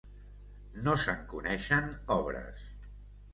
No se'n coneixen obres.